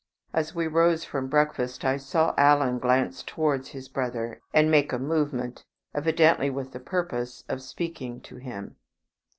As we rose from breakfast I saw Alan glance towards his brother, and make a movement, evidently with the purpose of speaking to him.